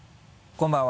こんばんは。